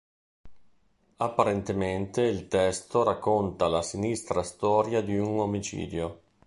Apparentemente il testo racconta la sinistra storia di un omicidio.